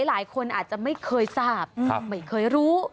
หลายคนอาจจะไม่เคยทราบไม่เคยรู้